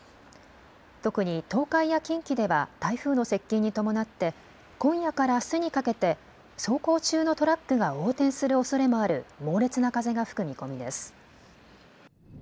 特に東海や近畿では、台風の接近に伴って、今夜からあすにかけて走行中のトラックが横転するおそれもある猛烈な風が吹く見込みです。